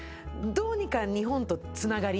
どうにか日本とつながりたい。